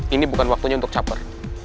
ini bukan waktunya untuk caper